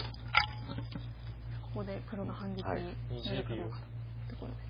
さあここで黒が反撃なるかどうかというところですね。